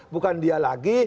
bukan dia lagi